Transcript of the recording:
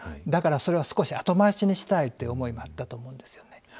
だからそれは、少し後回しにしたいという思いがあったと思うんですよね。